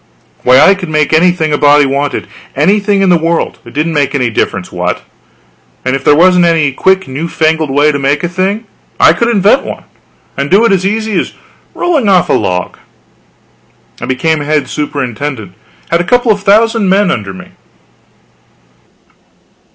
Why, I could make anything a body wanted anything in the world, it didn't make any difference what; and if there wasn't any quick new fangled way to make a thing, I could invent one and do it as easy as rolling off a log. I became head superintendent; had a couple of thousand men under me.